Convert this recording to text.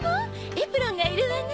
エプロンがいるわね。